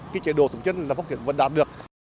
cái chế độ thủng chân là phong kiến văn đạt được